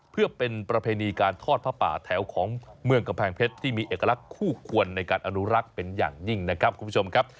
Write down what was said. เพื่อเป็นประเพณีการทอดผ้าป่าแถวของเมืองกำแพงเพชรที่มีเอกลักษณ์คู่ควรในการอนุรักษ์เป็นอย่างยิ่งนะครับคุณผู้ชมครับ